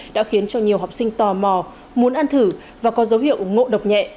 đã khiến cho nhiều học sinh tò mò muốn ăn thử và có dấu hiệu ngộ độc nhẹ